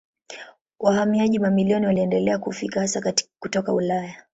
Wahamiaji mamilioni waliendelea kufika hasa kutoka Ulaya.